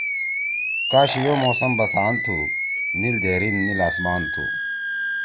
کا شیِو موسم بسان تُھو۔ نیل دہیرین، نیل آسمان تُھو۔